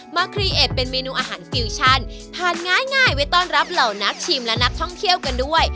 คลีเอ็ดเป็นเมนูอาหารฟิวชั่นผ่านง่ายไว้ต้อนรับเหล่านักชิมและนักท่องเที่ยวกันด้วย